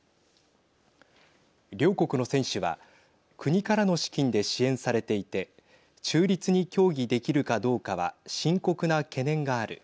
両国の選手は国からの資金で支援されていて中立に競技できるかどうかは深刻な懸念がある。